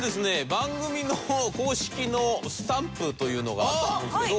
番組の公式のスタンプというのがあったと思うんですけど。